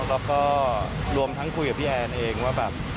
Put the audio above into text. แล้วก็รวมทั้งคุยกับพี่แอนเองว่าแบบ